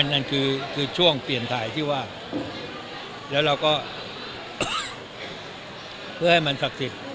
นั่นคือช่วงเปลี่ยนถ่ายที่ว่าแล้วเราก็เพื่อให้มันศักดิ์สิทธิ์